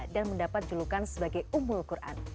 dan mendapat julukan sebagai umur quran